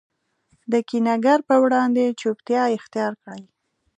د کینه ګر په وړاندي چوپتیا اختیارکړئ!